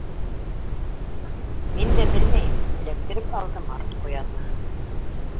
—Мин дә белмәйем, —тип эләктереп алды Март Ҡуяны.